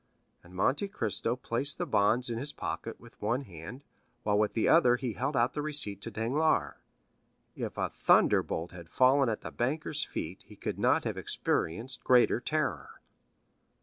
And Monte Cristo placed the bonds in his pocket with one hand, while with the other he held out the receipt to Danglars. If a thunderbolt had fallen at the banker's feet, he could not have experienced greater terror.